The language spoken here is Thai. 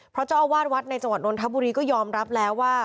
เพราะเจ้าอาวาสวัดในจังหวัดนนทบุรีก็ยอมรับแล้วว่า